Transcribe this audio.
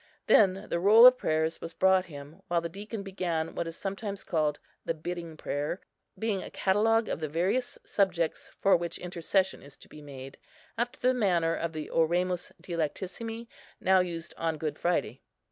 Then the roll of prayers was brought him, while the deacon began what is sometimes called the bidding prayer, being a catalogue of the various subjects for which intercession is to be made, after the manner of the Oremus dilectissimi, now used on Good Friday.